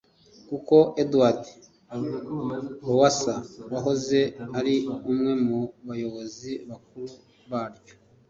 kuko Edward Lowasa wahoze ari umwe mu bayobozi bakuru baryo